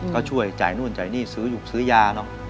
ก็ช่วยจ่ายนู่นจ่ายหนี้ศื้อยูปศื้อยา